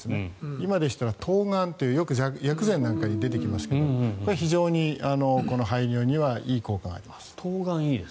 今でしたら冬瓜というよく薬剤なんかに出てきますが排尿にはいい効果があります。